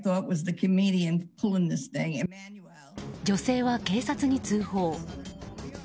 女性は警察に通報。